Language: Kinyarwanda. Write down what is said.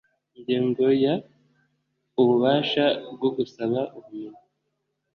Ingingo ya ububasha bwo gusaba ubumenyi